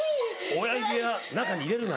親指は中に入れるな。